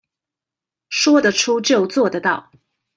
說得出就做得到